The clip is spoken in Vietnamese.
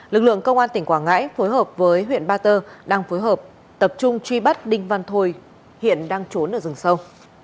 lực lượng công an tỉnh quảng ngãi phối hợp với huyện ba tơ đang phối hợp tập trung truy bắt đinh văn thôi hiện đang trốn ở rừng sâu